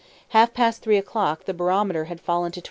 At half past three o'clock the barometer had fallen to 27:62.